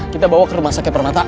kita bawa ke rumah sakit permata